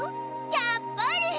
やっぱり！